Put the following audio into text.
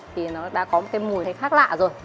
thì nó đã có một cái mùi hay khác lạ rồi